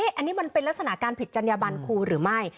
อันนี้มันเป็นลักษณะการผิดจัญญบันครูหรือไม่